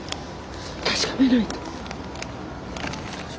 確かめないと。